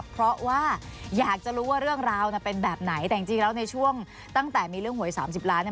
เพราะว่าอยากจะรู้ว่าเรื่องราวน่ะเป็นแบบไหนแต่จริงแล้วในช่วงตั้งแต่มีเรื่องหวย๓๐ล้านเนี่ย